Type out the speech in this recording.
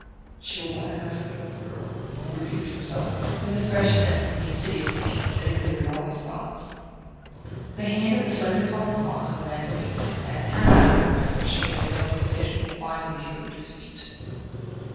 "She will want to ask me about the girl," he repeated to himself, with a fresh sense of the insidious taint that embittered all his thoughts; the hand of the slender columned clock on the mantel piece had spanned a half hour before shame at his own indecision finally drew him to his feet.